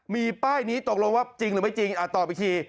มีป้ายนี้ตกลงว่าจริงหรือไม่จริงตอบอีกที